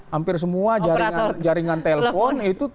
hampir semua jaringan telepon itu